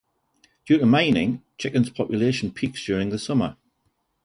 Due to mining, Chicken's population peaks during the summer.